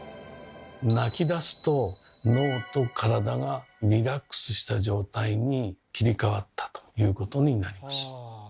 泣きだすと脳と体がリラックスした状態に切り替わったということになります。